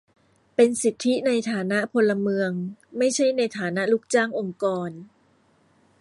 เป็นสิทธิในฐานะพลเมือง ไม่ใช่ในฐานะลูกจ้างองค์กร